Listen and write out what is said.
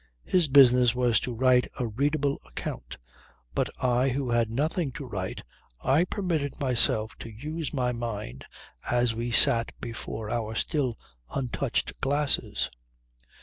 His business was to write a readable account. But I who had nothing to write, I permitted myself to use my mind as we sat before our still untouched glasses.